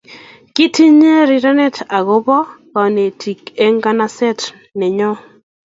Kitinye rirenet ak ko bo kanetik en ngansat nenyon